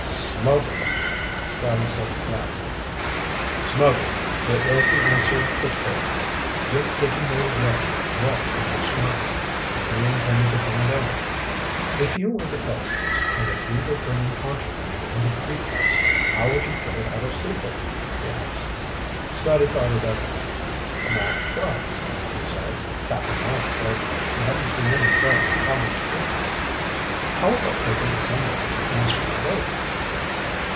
"Smuggling," Scotty said flatly. Smuggling. It was the answer that fitted. Rick didn't know yet what kind of smuggling, but he intended to find out. "If you were the Kelsos, and if you were bringing contraband into Creek House, how would you get it out of Seaford?" he asked. Scotty thought it over. "Not trucks," he said. "Cap'n Mike said he hadn't seen any trucks calling at Creek House. How about taking it somewhere in a small boat?"